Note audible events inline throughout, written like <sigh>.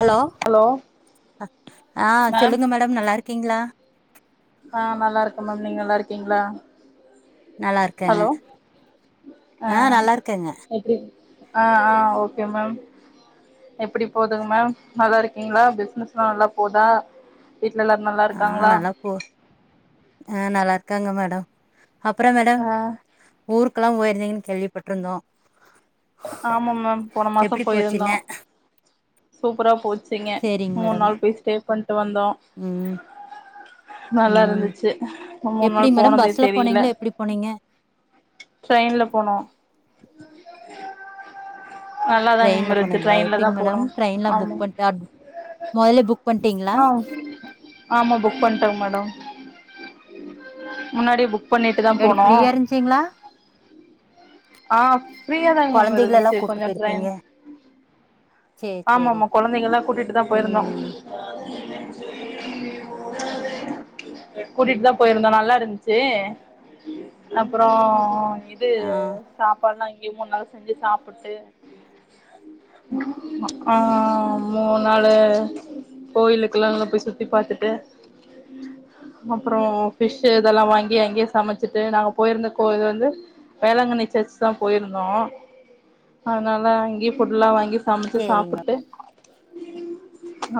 Hello ஆ ma'am சொல்லுங்க madam நல்லார்க்கீங்ளா ஆ நல்லா இருக்க மேம் நீங்க நல்லா இருக்கீங்ளா நல்லா இருக்கேங்க ஹலோ ஆ நல்லா இருக்கேங்க எப்டி ஆ ஆ ஓகே மேம் எப்டி போதுங்க மேம் நல்லா இருக்கிங்களா பிசினஸ்லா நல்லா போதா வீட்ல எல்லாரு நல்லா ஆ இருக்காங்களா நல்லா போ ஆ நல்லார்க்காங்க மேடம் அப்புற மேடம் ஆ ஊருக்கெல்லா போயிருந்தீங்கன் கேள்விப்பட்ருந்தோ ஆமா மேம் போன மாச போயிருந்தோ சூப்பரா போச்சுங்க சேரிங்க மூண் மேடம் நாள் போய் ஸ்டே பண்ட்டு வந்தோ ம் நல்லா இருந்துச்சு மூணு எப்டி நாள் மேடம் போனதே பஸ்ல தெரில போனீங்ளா எப்டி போனீங்க ட்ரெயின்ல போனோ நல்லாதாங்க ட்ரெயின்ல மேம் இருந்துச்சு போனீங்களா ட்ரெயின்ல தா எப்டிங் போனோ மேடம் ட்ரெயின்ல ஆமா புக் பண்ட்டு அப் மொதலே புக் பண்ட்டீங்களா ஆ ஆமா புக் பண்டோங் மேடம் முன்னாடி புக் பண்ணிட்டு தா எப்டி போனோ ஃப்ரீயா இருன்சுங்ளா ஆ ஃப்ரீயா தாங்க மேம் கொழந்தைகள எல்லா இருந்துச்சு கூட்டு கொஞ்ச போயிருப்பீங்க டிரெயின் சேரி சேரி ஆமாமா குழந்தைகள்லா கூட்டிட்டு தா போயிருந்தோ ம் கூட்டிட் தா போயிருந்தோ நல்லா இருந்துச்சே அப்றோ இது ஆ சாப்பாட்லா இங்யே மூண் நாள் செஞ்சு சாப்பிட்டு ஆ மூணு நாலு கோயிலுக்ககலா நல்லா போய் சுத்தி பாத்துட்டு அப்றோ ஃபிஷ்ஷு இதெல்லா வாங்கி அங்யே சமைச்சிட்டு நாங்க போயிருந்தக்கோ இது வந்து வேளாங்கண்ணி சர்ச் தா போயிருந்தோ அதனால அங்யே ஃபுட்லா வாங்கி சமச்சு சேரிங்க சாப்புட்டு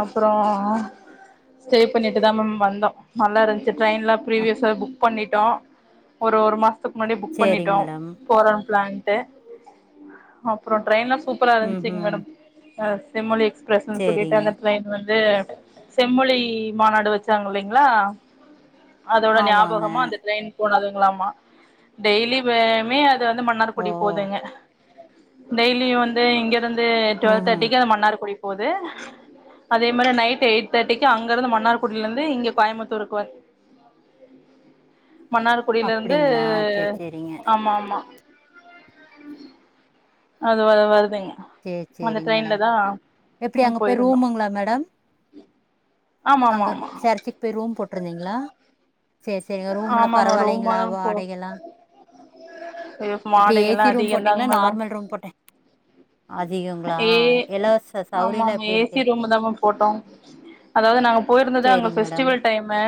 அப்பறோ ஸ்டே பண்ணிட்டு தா மேம் வந்தோ நல்லா இருந் ட்ரெயின்லா மேம் ப்ரீவியஸா புக் பண்ணிட்டோ ஒரு ஒரு மாசத்துக்கு முன்னாடியே புக் சேரிங்க பண்ணிட்டோ மேடம் போறோ பிளான்ட்டு அப்றோ ட்ரெயின்லா சூப்பரா ம் இருந்துச்சுங்க ம் மேடம் அ செம்மொழி எக்ஸ்பிரஸ்ன்னு சொல்லிட்டு சேரிங்க அந்த ட்ரெய்ன் வந்து செம்மொழி மாநாடு வச்சாங்க இல்லைங்களா அதோட ஆமாங்க ஞாபகமா அந்த ட்ரெய்ன் போனதுங்களாமா டெய்லியுமே மே அது இது வந்து ஓ மன்னார்குடி போதுங்க டெய்லி வந்து இங்கெருந்து து ம் டுவெல் ம் தேர்ட்டிக்கு அது மன்னார்குடி போது அதே மாரி நைட் எயிட் தேட்டிக்கி அங்க இருந்து மன்னார்குடில இருந்து இங்க கோயமுத்தூருக்கு வரு மன்னார்குடில இருந்து அப்டிங்களா சேரி சேரிங்க ஆமா ஆமா அது வ வருது இங்கெ சேரி அந்த சேரிங்க மேடம் ட்ரெயின்ல தா எப்டி நாங் அங்க போய் போய்ருந்தோ ரூமுங்களா மேடம் அங்க சர்ச்சிக்கு போய் ரூம் போட்ருந்தீங்ளா சேரி சேரிங்க ரூம்முல்லா ஆமா ஆமா ரூமா பரவால்லைங்களா தா போ வாடகெல்லா எப்டி வாடகைல்லா ஏசி ரூம் அதிகந்தாங்க போட்டிங்களா மேடம் நார்மல் ரூம் போட்டே அதிகொங்களா ஏ இலவச ஆமா சௌரிலா ஆமா எப்டி இருக்கு ஏசி ரூமு தா மேம் போட்டோ அதாவது நாங்க போயிருந்தது அங்க சேரிங்க மேடம் ஃபெஸ்டிவல் டைமு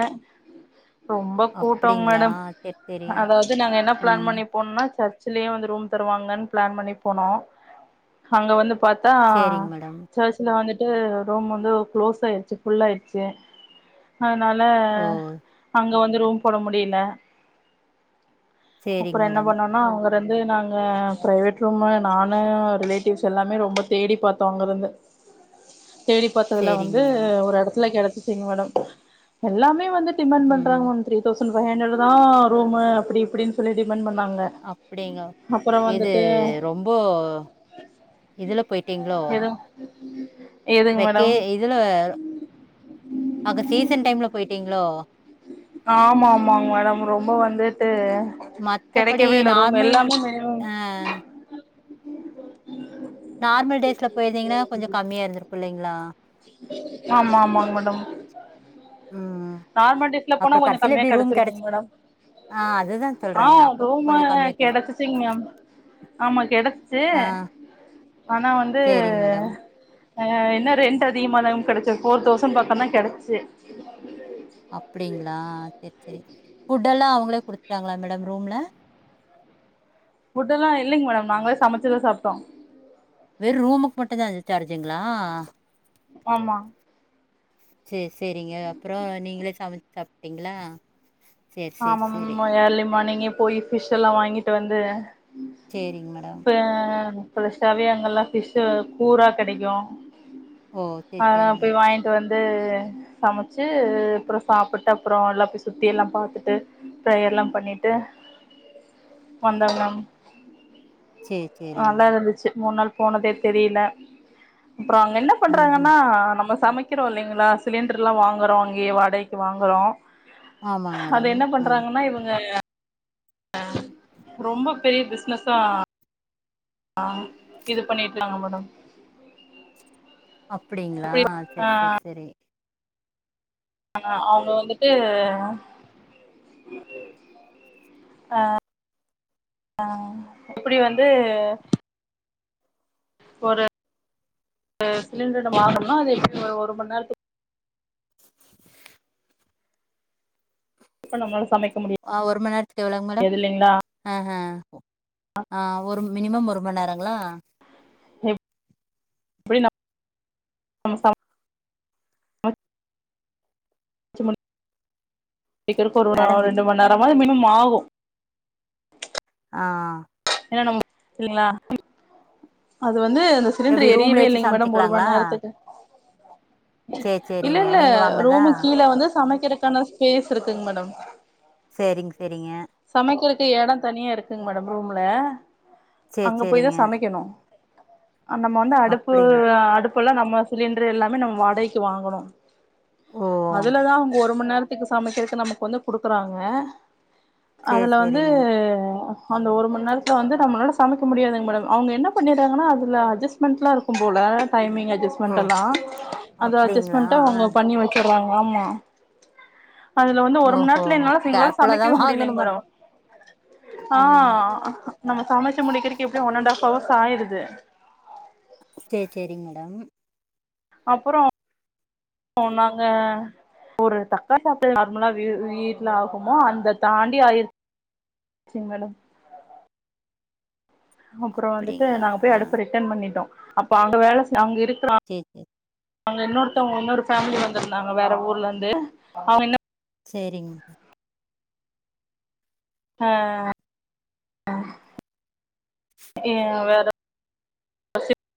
ரொம்ப கூட்டொ அப்டிங்களா மேடம் சேரி சேரி அதாவது நாங்க என்ன பிளான் ம் பண்ணி போனுன்னா சர்சிலே வந்து ரூம் தருவாங்கன் பிளான் பண்ணி போனோ அங்க வந்து பாத் தா சேரிங்க மேடம் சர்சில வந்துட்டு ரூம் வந்து குளோஸ் ஆயிர்ச்சு ஃபுல்லாயிர்ச்சு அதனால ஓ அங்க வந்து ரூம் போட முடியல சேரிங்க அப்பறோ என்ன மேடம் பண்ணோ னா அங்க இருந்து நாங்க பிரைவேட் ரூமு நானு ரிலேட்டிவ்ஸ் எல்லாமே ரொம்ப தேடி பாத்தோ அங்க இருந்து தேடி பாத்ததுல சேரிங்க வந்து மேடம் ஒரு எடத்துல கெடச்சிச்சிங்க மேடம் எல்லாமே வந்து டிமேண்ட் ம் பண்றாங்க த்ரி தௌசண் ஃபை ஹண்ட்ரட் தா ரூமு அப்பிடி இப்பிடினு சொல்லி டிமேண்ட் பண்ணாங்க அப்பிடிங்கொ அப்றோ இது வந்துட்டு ரொம்ப இதுல போயிட்டீங்ளோ எது எதுங்க வெக்கே மேடம் இதுல அங்க சீசன் டைம்ல பொயிட்டீங்ளோ ஆமா ஆமாங்க மேடம் ரொம்ப வந்துட்டு மத்தபடி கெடைக்கவே இல்ல ரூமு நார்மல் எல்லாமே <inaudible> அ நார்மல் டேஸ்ல போயிருந்திங்கனா கொஞ்சோ கம்மியா இருந்துருக்கு இல்லைங்களா ஆமா ஆமாங்க மேடம் ம். நார்மல் டேஸ்ல போனா அப்புறம் கொஞ்சோ கடைசில கம்மியா எப்படி ரூம் கெடச்சிருக்கு கிடைச்சு மேடம் ஆ அதுதான் ஆ சொல்றேங்க. அப்ப கொஞ்சம் ரூமல்லா கம்மியா கிடைச்சு கெடச்சுசிங்க மேம் ஆமா கெடச்சிச்சு ஆ ஆனா வந்து சரிங்க மேடம். அ என்ன ரெண்ட் அதிகமா தாங் மேம் கெடச்சது ஃபோர் தௌசண் பக்கொந் தா கெடச்சிச்சு அப்பிடிங்ளா சேரி சேரி ஃபுட்டெல்லா அவுங்களே குடுத்ட்டாங்களா மேடம் ரூம்ல ஃபுட்டெல்லா இல்லெங்க மேடம் நாங்களே சமச்சுதா சாப்ட்டோ வெறும ரூமுக்கு மட்டுந் தே அந்த சார்ஜுங்களா ஆமா சேரி சேரிங்க அப்பறோ நீங்களே சமச்சு சாப்ட்டிங்களா ஆமா ம்மு ஏர்லி மார்னிங்கே போய் ஃபிஷ் எல்லா வாங்கிட்டு வந்து சரிங்க மேடம். இப்ப ஃப்ரெஷ்ஷாவே அங்கெல்லா ஃபிஸ்ஷூ கூரா கெடைக்கு ஓ! சரி, அதா சரிங்க. போய் வாங் கிட்டு வந்து சமைச்சு அப்புறோ சாப்ட்டு அப்றோ எல்லா போய் சுத்தி எல்லா பாத்துட் டு இப்பல்லா பண்ணிட்டு வந்தோங்க சரி, நல்லா சரிங்க. இருந்துச்சு மூணு நாள் போனதே தெரியல அப்றோ அங்க என்ன ஆஹ. பண்றாங்கன்னா நம்ம சமைக் கிறோ இல்லங்களா சிலிண்டர்லா வாங்குறோ அங்கயே வாடகைக்கு வாங்குறோ ஆமாங்க அது மேடம் என்ன ம் பண்றாங்கன்னா இவுங்க அ ரொம்ப பெரிய பிஸ்னஸா ஆ இது பண்ணிடலாங்க மேடம் அப்டிங்களா சேரி சேரி சேரி ஆ அவுங்க வந்துட்டு அ ஆ இப்டி வந்து ஒரு ஒரு சிலிண்டர் நம்ப வாங்கணும்னா அது எப்டியு ஒரு மணி நேரத்து இப்ப நம்மளால சமை ஆ ஒரு மண் நேரத்துக்கு எவ்ளோங்க மேடம் ஆ ஆ ஆ ஒரு மினிமம் ஒரு மண் நேரங்களா எப் எப்டியு நம் நம்ம சாப் சமச்சி முடி முடிக்றதுக்கு ஒரு மேடம் ஒரு விட் ரெண்டு மண் நேரம் மாது மினிமம் ஆகு ஆ என்ன நம்ம இல்லைங்களா அது வந்து அந்த எப்டி சிலிண்டர் ரூம்ல எரியவே வச்சு இல்லைங்க மேடம் ஒரு சமச்சுக்கலாங்களா மண் நேரத்துக்கு சேரி இல்ல சேரிங்க இல்ல நீங்க வாங்குனதா ரூமுக்கு கீழ வந்து சமைக்கிறதுக்கான ஸ்பேஸ் இருக்குங்க மேடம் சேரிங்க சேரிங்க சமைக்கிறதுக்கு இடோ தனியா இருக்குங்க மேடம் ரூம்ல சேரி அங்க போய் தா சேரிங்க சமைக்கணு நம்ம வந்து அடுப்பு அப்டிங்க அடுப்பு எல்லா நம்ம சிலிண்டர் எல்லாமே நம்ம வாடகைக்கு வாங்கணு ஓ அதுலதா அவுங்க ஒரு மண் நேரத்துக்கு சமைக்கிறதுக்கு நமக்கு வந்து குடுக்குறாங்க சேரி அதுல வந்து சேரிங்க அந்த ஒரு மண் நேரத்துல வந்து நம்மளால சமைக்க முடியாதுங்க மேடம் அவுங்க என்ன பண்ணிடுராங்கா அதுல அஜஸ்மெண்ட்ல இருக்கு போல டைமிங் அஜஸ் ஓ ஸ்மெண்டெல்லா அந்த அப்டிங்களா அஜஸ்மெண்ட்டு ஆ அவுங்க பண்ணி வச்சறாங்க ஆமா அதுல வந்து ஒரு மண் ஓஹோ நேரத்துல என்னால எங்களால கேர்ஃபுல்லா தா சமைக்கவே வாங்கணு முடியலங்க மட் மேடம் ஆ ம் நம்ம சமைச்சு முடிக்கிறதுக்கு எப்டியு ஒன் அண்ட் ஹாப் ஹவர்ஸ் ஆயிடுது சேரி சேரிங்க மேடம் அப்றோ நாங்க ஒரு தக்காளி <unintelligible> நார்மலா வீட் வீட்ல ஆகுமோ அந்த தாண்டி ஆகிரு சிங்க மேடம் அப்றோ வந்துட்டு அப்டிங்களா நாங்க போய் ஆ அடுப்ப ரிட்டன் பண்ணிட்டோ அப்ப அங்க வேல அங்க இருக்குற ஆ சேரி சேரி அங்க இன்னொருத்தவங்க இன்னொரு ஃபேமிலி வந்திருந்தாங்க வேற ஊர்ல இருந்து அவுங்க என்ன சேரிங்க மே ஆ ஆ ஆ ஆ ஏ வேற <unintelligible>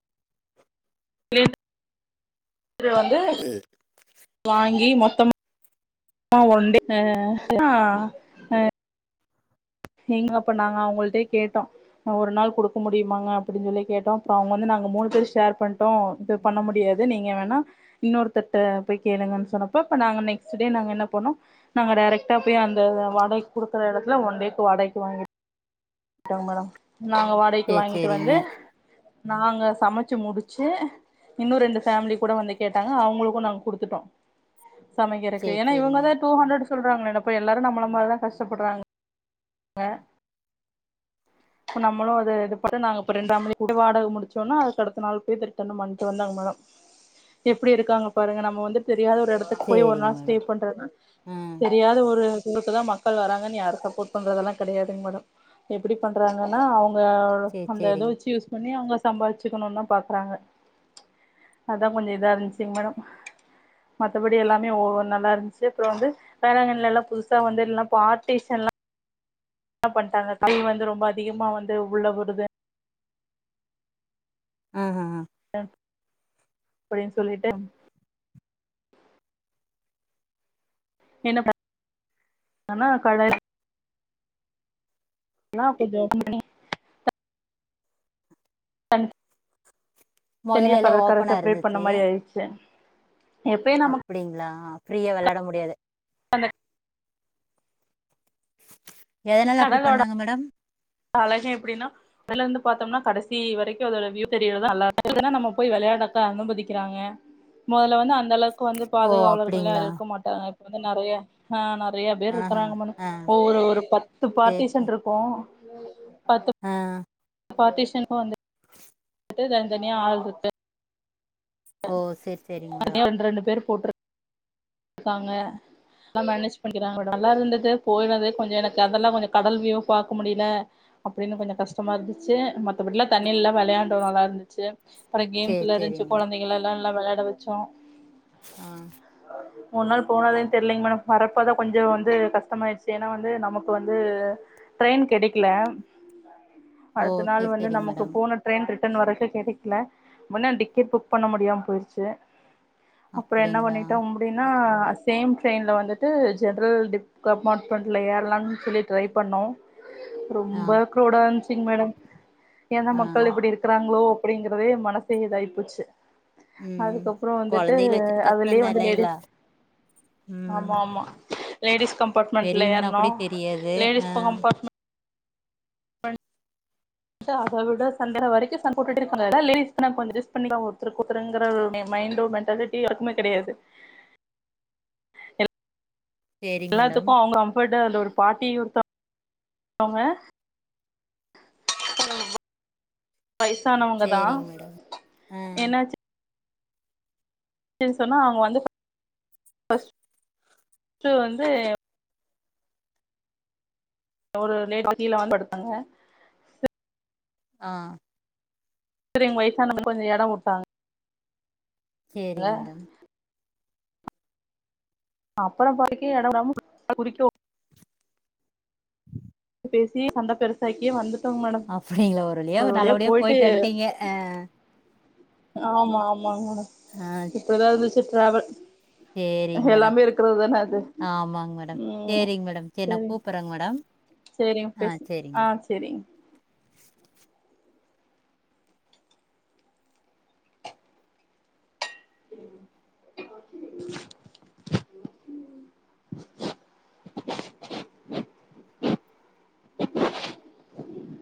<unintelligible> எடுத்துட்டு வந்து வாங்கி மொத்தம ஆ ஒண்டி ஆ ஹா ஏங்க அப்ப நாங்க அவுங்கள்ட்டே கேட்டோ ஒரு நாள் குடுக்க முடியுமாங்க அப்டின்னு சொல்லி கேட்டோ அப்பற அவுங்க வந்து நாங்க மூணு பேர் ஷேர் பண்ட்டோ இப்ப பண்ண முடியாது நீங்க வேணா இன்னொருத்தர்ட்ட போய் கேளுங்கன்னு சொன்னப்பொ இப்ப நாங்க நெக்ஸ்ட் டே நாங்க என்ன பண்ணோ நாங்க டேரக்டா போய் அந்த வாடகைக் குடுக்குற எடத்துல ஒன் டேக்கு வாடகைக்கு வாங்கி டோ மேடம் நாங்க வாடகைக்கு சேரி வாங்கிட்டு சேரிங்க வந்து நாங்க சமச்சு முடிச்சு இன்னு ரெண்டு ஃபேமிலி கூட வந்து கேட்டாங்க அவங்களுக்கு நாங்க குடுத்துட்டோ சமைக்கிறக்கு சேரி ஏன்னா சேரிங்க இவங்கதா டூ ஹண்ட்ரட் சொல்றாங்கள என்னப்ப எல்லாரு நம்மள மாரிதா கஷ்டப்பட்றாங் க இப்ப நம்மளு அது இது பண்ட்டு நாங்க இப்ப ரெண்டாம் மணி கூட வாடக முடிச்சோனா அதுகடுத்த நாள் போய தெட்டர்ன்ன பண்ட்டு வந்தாங்க அந்தமலா எப்டி இருக்காங்க பாருங்க நம்ம வந்து தெரியாத ஒரு எட துக்கு போய் ஒரு சேரிங்க நாள் மேடம் ஸ்டே பண்றனா ஆ தெரியாத ஒரு தூரத்ததா பா கள் வராங்கன்னு யார் சப்போட் பண்றதெல்லா கையாதுங் மேட எப்டி பண்றாங்கன்னா அவுங்க சேரி அந்த இத சேரிங்க வெச்சு யூஸ் பண்ணி அவுங்க சம்பாதிச்சுக்கணு தா பாக்குறாங்க அதா கொஞ்ச இதா இருந்துச்சுங்க மேட மத்தபடி எல்லாமே ஒவ்வொ நல்லா இருந்துச்சு அப்புறோ வந்து வேளாங்கன்னில எல்லா புதுசா வந்துலா பார்ட்டிஷன்ல்லா தா பண் காங்க கை வந்து ரொம்ப அதிகமா வந்து உள்ள வருது ஆ ஹ ஹ ம் அப்டின்னு சொல்லிட்டு என்ன ப நம்ம கலே நா டிப்ல இருக்க மாட்டேனே தன் தனியா மொதல்ல எல்லா கதற்கார ஓப்பனா செப்ரேட் பண்ண இருந்துச்சு மாரி ஆயிடுச்சு எப்பயு நமக் அப்டிங்களா ஃப்ரீயா வெளாட முடியாது அந்த எதனால அப்டி பண்ணாங்க மேடம் அழக எப்டின்னா மேல இருந்து பாத்தோம்னா கடைசி வரைக்கு அதோட வியூ தெரியிறதா அல்ல அப்புதனா நம்ம போய் வெளையாடக்கு அனுமதிக்கிறாங்க மொதல்ல வந்து அந்த அளவுக்கு வந்து ஓ பாதுகாவர்லா அப்டிங்களா இருக்க மாட்டாங்க இப்ப வந்து நெறைய ஆ நறைய பேர் ஆஹ இருக்கறாங்க மேடம் ஆ ஒவ்வோரு ஒரு பத்து சேரி பார்ட்டி சேரி சென்ருக்கோ பத்து ஆ பார்ட்டிசன்கு வந்து ட்டு தனிதனியா ஆள்ருக்கு ஓ செரி செரிங்க மேடம் இரண்டு ரெண்டு பேர் போற்று இருக்காங்க நா மேனேஜ் பண்ணிக்குறாங்க நல்லா இருந்தது போய்னது கொஞ்சொ எனக்கு அதெல்லா கொஞ்ச கடல் வியூ பாக்கமுடில அப்டின்னு கொஞ்ச கஷ்டமா இருந்துச்சு மத்தபடிலா தண்ணில்லா வெளையாண்டோ நல்லா இருந்துச்சு அப்புற சேரி கேம்ஸ்ல சேரிங்க இருந்துச்சு மேடம் கொழந்தைகள் எல்லா நல்லா வெளாட வெச்சோ ஆ ஒரு நாள் போனது தெரிலங்க மேடம் வரப்போதா கொஞ்சொ வந்து கஷ்டமாயிடுச்சு ஏன்னா வந்து நமக்கு வந்து ட்ரெயின் கெடைக்குல ஓ அடுத்த நாள் சேரி வந்து சேரிங்க நமக்கு மேடம் போன ட்ரெயின் ரிட்டன் வரக்கு கெடைக்குல முன்ன டிக்கெட் புக் பண்ண முடியாம போய்ர்ச்சு அப்புறோ என்ன அப்டிங்களா பண்ணிட்டோ அப்டினா சேம் ட்ரெய்ன்ல வந்துட்டு ஜென்ரல் டிப் கம்பாட்மண்ட்ல ஏறுலான் சொல்லி ட்ரை பண்ணோ ஆ ரொம்ப க்ரவ்டா இருந்சிங் மேடம் ஏந்தா ஆ மக்கள் இப்புடி இருக்குறாங்ளோ அப்டிங்கிறதே மனசே இதாய்போச்சு ம் அதுக்கப்புறோ வந்துட்டு கொழந்தைகள வச்சுட்டு அதுலே கஷ்டந்தா வந்து இல்லைங்களா லேடிஸ் ம் ஆமா ஆமா லேடிஸ் கம்பாட்மெண்ட்ல பெரியவங்கன்னா ஏற்ணோ கூட தெரியாது ஆ லேடிஸ் கம்பாட்ம மண் உட்டா அத விட சண்ட வரைக்கு சண்போட்ருக்காங்க அதா லேடிஸ்குனா கொஞ் அஜெஸ் பண்ணிக்லா ஒருத்தருக்கு ஒர்த்துருங்குற ஒ அப் மே மைண்டோ மென் ட்டாலிட்டி யார்க்குமே கெடையாது எல் சேரிங்க மேடம் எல்லாத்துக்கு அவ்ங்க கம்ஃபட்ட அந்த ஒரு பாட்டி ஒருத்த தவ்ங்க <inaudible> வய்சானவுங்கதா சேரிங்க மேடம் ஆ என்னாச்சு ன் சொன்னா அவ்ங்க வந்து ஃபஸ் ட்டு வந்து ஒரு லேடி கீழதா படுத்தாங்க ஆ பெரியவ்ங்க வய்சானவுங்ளுக்கு கொஞ்சோ எடோ குட்த்தாங்க சேரிங் மேடம் அப்புறோ படுக்யே எடோ உடாம <inaudible> புடிக்கவு பேசி சண்ட பெருசாக்கியே வந்து அப்டிங்ளா ஒரு வழியா ஒரு நல்லபடியா போயிட்டு போய்ட்டு வன்ட்டீங்க அ ஆமா ஆமா மேடம் ஆ இப்டிதா இருந்துச்சு ட்ராவல் சேரிங் மேடம் ஆமாங் மேடம் ம் சேரிங் மேடம் சேர் நா சேரிங் கூப்புறங் மேடம் சேரிங்க ஆ பேசுங் சரிங்க. ஆ சேரிங் <inaudible> <inaudible> <inaudible> <inaudible>